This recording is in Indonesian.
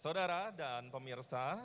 ya saudara dan pemirsa